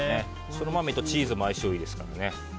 ソラマメとチーズも相性いいですからね。